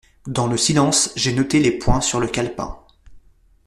Dans le grand silence, j’ai noté les points sur le calepin.